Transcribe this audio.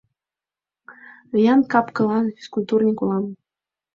Виян кап-кылан, физкультурник улам.